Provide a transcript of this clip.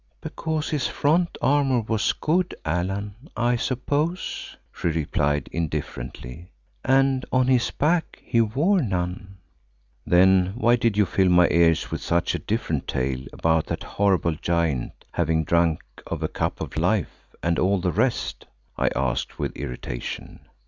"Because his front armour was good, Allan, I suppose," she replied indifferently, "and on his back he wore none." "Then why did you fill my ears with such a different tale about that horrible giant having drunk of a Cup of Life, and all the rest?" I asked with irritation.